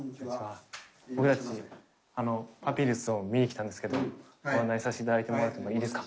僕たちパピルスを見に来たんですけどご案内して頂いてもいいですか？